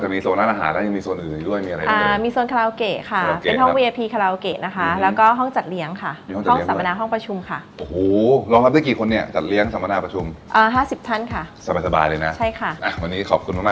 มาได้หมดเลยครับนอกจากจะมี